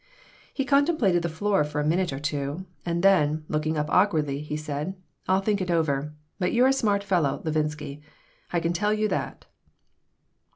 He contemplated the floor for a minute or two, and then, looking up awkwardly, he said: "I'll think it over. But you're a smart fellow, Levinsky. I can tell you that."